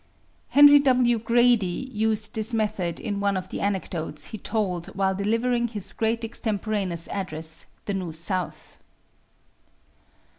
Henry W. Grady used this method in one of the anecdotes he told while delivering his great extemporaneous address, "The New South."